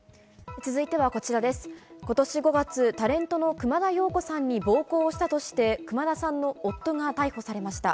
続いて今年５月、タレントの熊田曜子さんに暴行をしたとして、熊田さんの夫が逮捕されました。